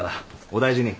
お大事に。